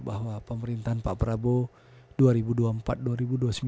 bahwa pemerintahan pak prabowo